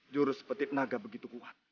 jurus petit naga begitu keras